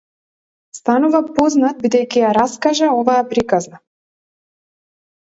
Станува познат бидејќи ја раскажа оваа приказна.